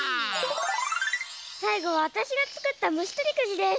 さいごはわたしがつくったむしとりくじです。